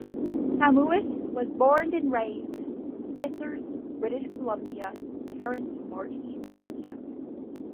Hamhuis was born and raised in Smithers, British Columbia, to parents Marty and Ida.